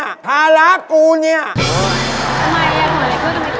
ทำไมเปล่าเลยเคยไม่เครียดอะไรนะด้วยเป็นอะไร